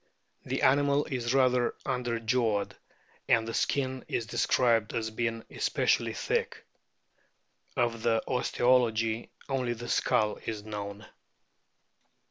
The animal is rather underjawed, and the skin is described as being especially thick. Of the osteology only the skull is known.